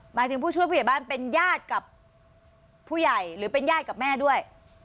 หมายถึงผู้ช่วยผู้ใหญ่บ้านเป็นญาติกับผู้ใหญ่หรือเป็นญาติกับแม่ด้วย